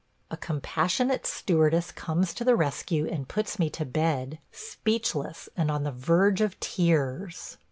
A compassionate stewardess comes to the rescue and puts me to bed – speechless and on the verge of tears.